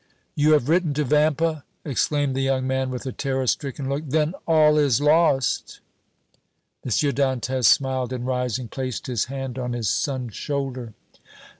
"You have written to Vampa!" exclaimed the young man, with a terror stricken look. "Then all is lost!" M. Dantès smiled, and, rising, placed his hand on his son's shoulder.